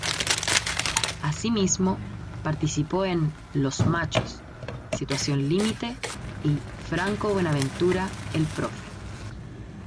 Asimismo, participó en "Los machos", "Situación límite" y "Franco Buenaventura, el profe".